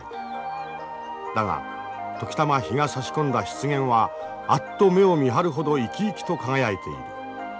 だが時たま日がさし込んだ湿原はあっと目をみはるほど生き生きと輝いている。